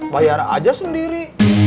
bayar aja sendiri